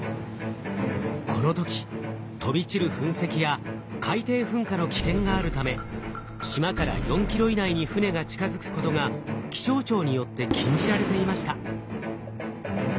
この時飛び散る噴石や海底噴火の危険があるため島から４ｋｍ以内に船が近づくことが気象庁によって禁じられていました。